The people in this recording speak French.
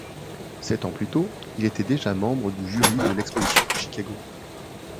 Sept ans plus tôt, il était déjà membre du jury de l'exposition de Chicago.